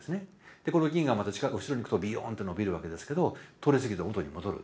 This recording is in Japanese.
でこの銀河また近く後ろにいくとビヨーンと伸びるわけですけど通りすぎると元に戻る。